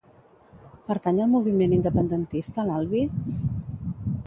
Pertany al moviment independentista l'Albi?